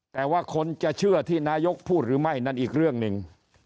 แต่ว่าคนจะเชื่อที่นายกพูดหรือไม่นั่นอีกเรื่องหนึ่ง